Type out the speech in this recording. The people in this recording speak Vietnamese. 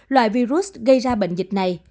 loại virus gây ra bệnh dịch này